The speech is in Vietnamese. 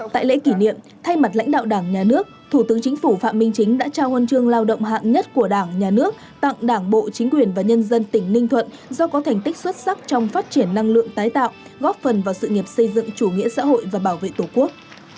tại lễ kỷ niệm thay mặt lãnh đạo đảng nhà nước thủ tướng chính phủ phạm minh chính đã trao huân chương lao động hạng nhất của đảng nhà nước tặng đảng bộ chính quyền và nhân dân tỉnh ninh thuận do có thành tích xuất sắc trong phát triển năng lượng tái tạo góp phần vào sự nghiệp xây dựng chủ nghĩa xã hội và bảo vệ tổ quốc